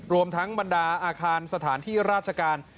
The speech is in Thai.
รวมทั้งบรรดาอาคารสถานที่ราชการ